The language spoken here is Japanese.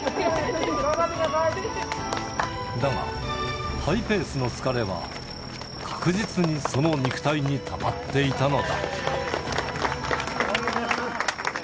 だが、ハイペースの疲れは、確実にその肉体にたまっていたのだ。